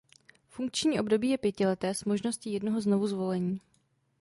Funkční období je pětileté s možností jednoho znovuzvolení.